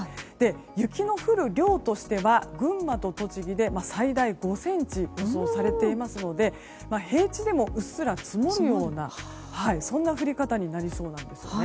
雪の降る量としては群馬と栃木で最大５ｃｍ予想されていますので平地でもうっすら積もるようなそんな降り方になりそうなんです。